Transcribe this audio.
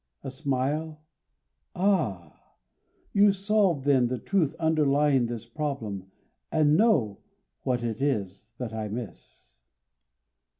A smile? Ah, you solved then the truth underlying This problem, and know what it is that I miss.